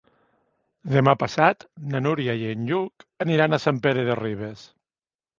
Demà passat na Núria i en Lluc aniran a Sant Pere de Ribes.